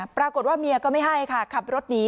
ปรากฏว่าเมียก็ไม่ให้ค่ะขับรถหนี